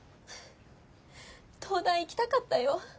東大行きたかったよ？